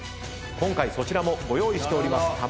今回そちらもご用意してます。